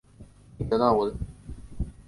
你得到我的身子也得不到我的心的